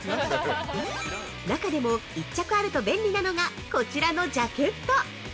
中でも、一着あると便利なのがこちらのジャケット。